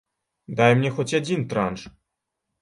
Дай мне хоць адзін транш.